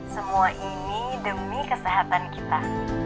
semua ini demi kesehatan kita